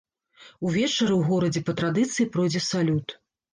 Увечары ў горадзе па традыцыі пройдзе салют.